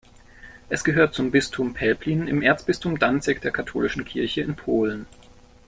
Es gehört zum Bistum Pelplin im Erzbistum Danzig der Katholischen Kirche in Polen.